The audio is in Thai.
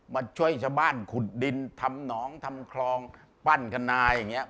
มาช่วยชาวบ้านขุดดินทำหนองทำคลองปั้นคณาอย่างนี้